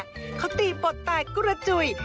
เขาตีปดตายกุรจุย